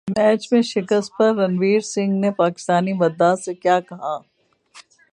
match میں شکست پر رنویر سنگھ نے پاکستانی مداح سے کیا کہا